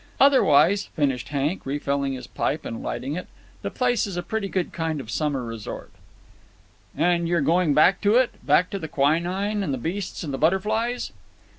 Otherwise," finished Hank, refilling his pipe and lighting it, "the place is a pretty good kind of summer resort." "And you're going back to it? Back to the quinine and the beasts and the butterflies?"